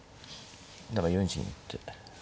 だから４一銀打って。